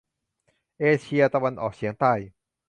เอเชียตะวันออกเฉียงใต้